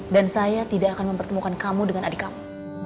dan saya tidak akan mempertemukan kamu dengan adik kamu